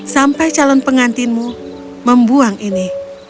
sampai calon pengantinmu membuang ini